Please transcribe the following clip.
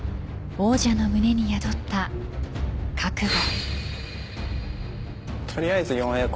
王者の胸に宿った覚悟。